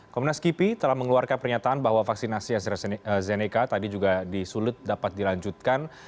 komnas kipi telah mengeluarkan pernyataan bahwa vaksinasi astrazeneca tadi juga disulut dapat dilanjutkan